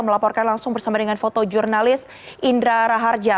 melaporkan langsung bersama dengan foto jurnalis indra raharja